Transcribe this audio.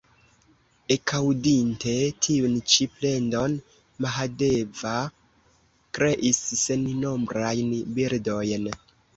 Ekaŭdinte tiun ĉi plendon, Mahadeva kreis sennombrajn birdojn.